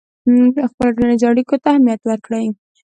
خپلو ټولنیزو اړیکو ته اهمیت ورکړئ.